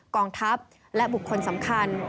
กองทัพและบุคคลสำคัญ